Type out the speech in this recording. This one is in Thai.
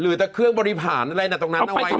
หรือแต่เครื่องบริหารอะไรนะตรงนั้นเอาไว้